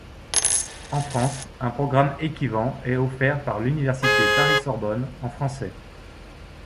En France, un programme équivant est offert par l'Université Paris-Sorbonne en français.